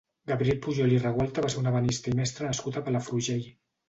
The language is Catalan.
Gabriel Pujol i Regualta va ser un ebenista i mestre nascut a Palafrugell.